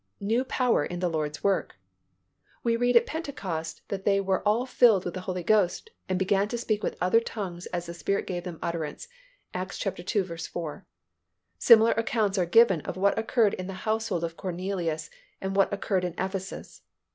New power in the Lord's work. We read at Pentecost that they were all filled with the Holy Ghost and began to speak with other tongues as the Spirit gave them utterance (Acts ii. 4). Similar accounts are given of what occurred in the household of Cornelius and what occurred in Ephesus.